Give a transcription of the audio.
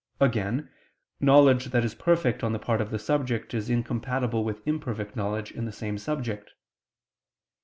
Again, knowledge that is perfect on the part of the subject is incompatible with imperfect knowledge in the same subject.